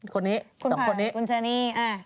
คนนี้